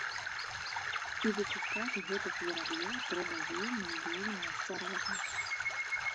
І выпускаць гэтых вераб'ёў трэба вельмі і вельмі асцярожна.